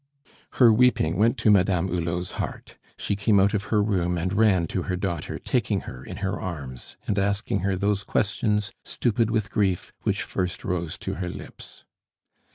Her weeping went to Madame Hulot's heart. She came out of her room and ran to her daughter, taking her in her arms, and asking her those questions, stupid with grief, which first rose to her lips.